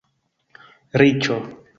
Riĉo